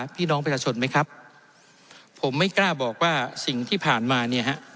พี่น้องประชาชนไหมครับผมไม่กล้าบอกว่าสิ่งที่ผ่านมาเนี่ยฮะ